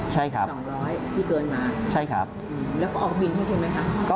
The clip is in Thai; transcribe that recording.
ใช่ครับสองร้อยที่เกินมาใช่ครับอืมแล้วก็ออกบินให้ได้ไหมครับ